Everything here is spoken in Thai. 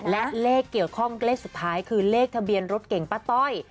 และเลขเกี่ยวข้องเลขสุดท้ายคือเลขทะเบียนรถเก่งป้าต้อย